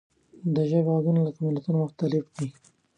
د ژبې غږونه لکه ملتونه مختلف دي.